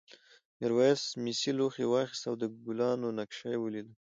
میرويس مسي لوښی واخیست او د ګلانو نقشونه ولیدل.